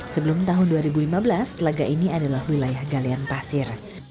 sebelum tahun dua ribu lima belas telaga ini adalah wilayah galian pasir